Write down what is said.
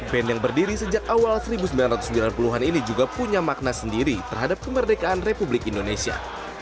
band yang berdiri sejak awal seribu sembilan ratus sembilan puluh an ini juga punya makna sendiri terhadap kemerdekaan republik indonesia